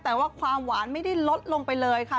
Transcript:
แต่ว่าความหวานไม่ได้ลดลงไปเลยค่ะ